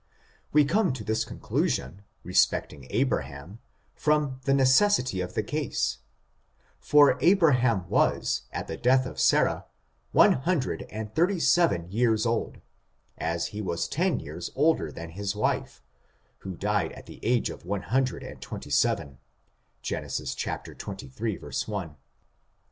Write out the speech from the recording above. We come to this con clusion, respecting Abraham, from the necessity of the case, for Abraham was, at the death of Sarah, one hundred and thirty seven years old, as he was ten years older than his wife, who died at the age of one 110 ORIGIN, CHARACTER, AND hundred and twenty seven. Gen. xxiii, 1.